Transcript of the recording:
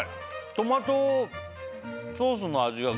トマトソースの味がきて。